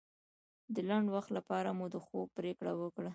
د لنډ وخت لپاره مو د خوب پرېکړه وکړه.